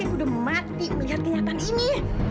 udah mati melihat kenyataan ini